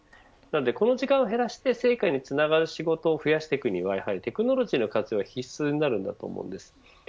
この時間を減らして成果につながる仕事を増やしていくにはテクノロジーの活用が必須になると思います。